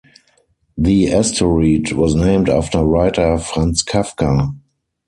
The asteroid was named after writer Franz Kafka.